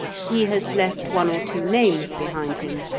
He has left one or two names behind him.